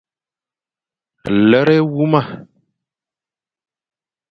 Lere éwuma.